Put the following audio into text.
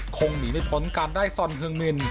คงหนีไม่พ้นการได้ซอนเฮืองมิน